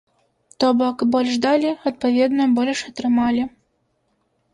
То бок, больш далі, адпаведна, больш атрымалі.